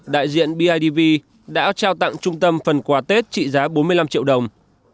đại diện bidv đã trao tặng trung tâm phần quà tết trị giá bốn mươi năm triệu đồng